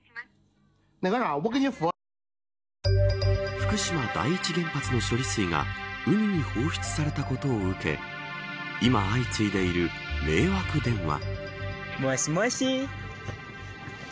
福島第１原発の処理水が海に放出されたことを受け今、相次いでいる迷惑電話。